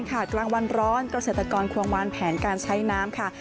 กลางวันร้อนกระเศรษฐกรควงวานแผนการใช้น้ำ